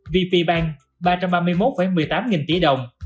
vp bank ba trăm ba mươi một một mươi tám nghìn tỷ đồng